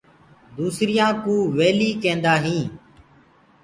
دوسريآ ڪوُ ويلي ڪيندآ هينٚ۔